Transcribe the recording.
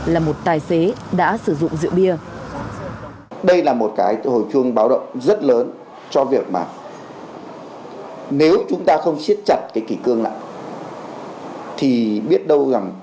là một tài xế đã sử dụng rượu bia